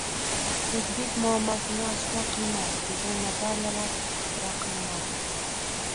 o‘zbek muammosini oshkor qilmaydi» degan «nazariya»lar ixtiro qilinadi